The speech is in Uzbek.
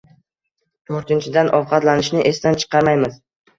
To‘rtinchidan, ovqatlanishni esdan chiqarmaymiz.